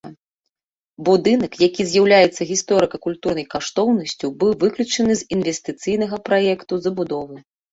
Будынак, які з'яўляецца гісторыка-культурнай каштоўнасцю, быў выключаны з інвестыцыйнага праекту забудовы.